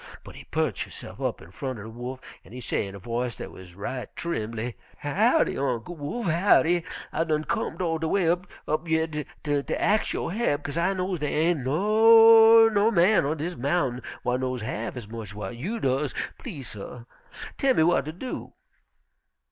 But he perch hisse'f up in front er Wolf, an' he say in a voice dat wuz right trim'ly, 'Howdy, Uncle Wolf, howdy! I done comed all de way up yer ter ax yo' he'p, 'kase I knows dar ain' nair' nu'rr man on dis mountain whar knows half ez much ez w'at you does. Please, suh, tell me w'at ter do.'